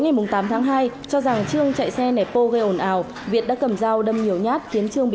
nên trường đã tử vong